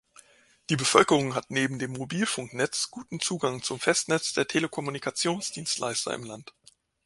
Die Bevölkerung hat neben dem Mobilfunknetz guten Zugang zum Festnetz der Telekommunikations-Dienstleister im Land.